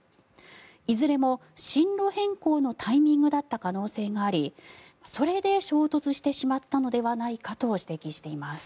いずれも進路変更のタイミングだった可能性がありそれで衝突してしまったのではないかと指摘しています。